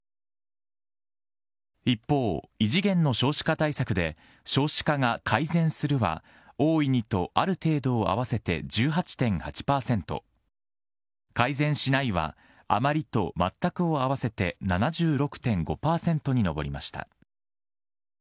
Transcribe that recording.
一方、異次元の少子化対策で少子化が改善するは、大いにとある程度を合わせて１８．８％、改善しないは、あまりとまったくを合わせて７６．５％に上りました。